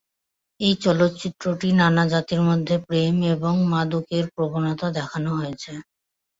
এই চলচ্চিত্রটি নানা জাতির মধ্যে প্রেম এবং মাদকের প্রবণতা দেখানো হয়েছে।